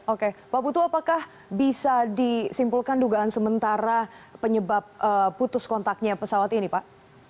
oke pak putu apakah bisa disimpulkan dugaan sementara penyebab putus kontaknya pesawat ini pak